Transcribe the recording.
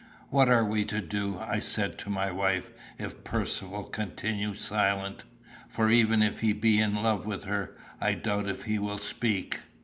"What are we to do," I said to my wife, "if Percivale continue silent? For even if he be in love with her, I doubt if he will speak."